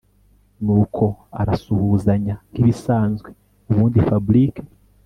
Nuko arasuhuzanya nkibisanzwe ubundi Fabric